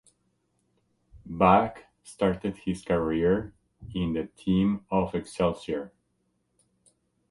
Bak started his career in the team of Excelsior.